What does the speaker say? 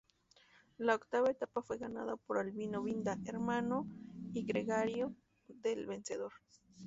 La octava etapa fue ganada por Albino Binda, hermano y gregario del vencedor.